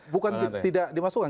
bukan tidak dimasukkan